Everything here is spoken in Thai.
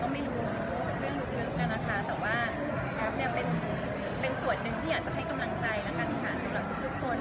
ตรงนี้แอฟรู้สึกกับผู้หญิงหลายคนมีโยคแอฟเป็นก้นแบบที่ล้างวันหนึ่งต้องเหลือ